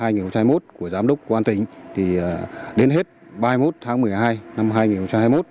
hai ngày một mươi một tháng hai mươi một của giám đốc quan tỉnh thì đến hết ba mươi một tháng một mươi hai năm hai ngày một mươi một tháng hai mươi một